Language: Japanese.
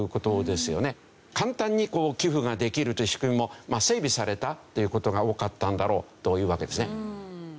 簡単に寄付ができるという仕組みも整備されたという事が多かったんだろうというわけですね。